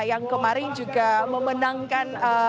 yang kemarin juga memenangkan